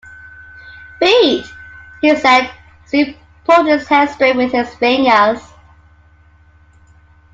“Beat!” he said, as he pulled his hair straight with his fingers.